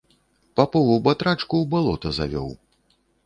Папову батрачку ў балота завёў.